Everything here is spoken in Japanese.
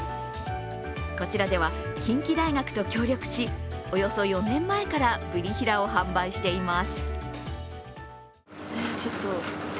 こちらでは近畿大学と協力し、およそ４年前からブリヒラを販売しています。